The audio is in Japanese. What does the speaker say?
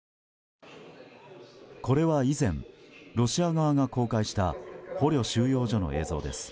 これは以前、ロシア側が公開した捕虜収容所の映像です。